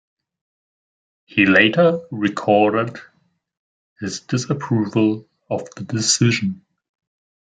He later recorded his disapproval of the decision.